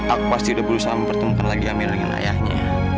aku pasti udah berusaha mempertemukan lagi amel dengan ayahnya